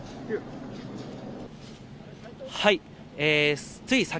はい。